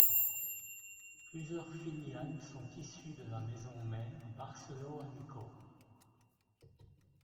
Plusieurs filiales sont issues de la maison mère Barcelo & Co.